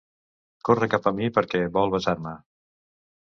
Corre cap a mi perquè vol besar-me.